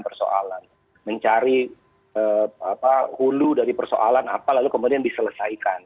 persoalan mencari hulu dari persoalan apa lalu kemudian diselesaikan